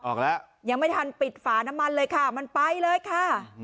ออกแล้วยังไม่ทันปิดฝาน้ำมันเลยค่ะมันไปเลยค่ะ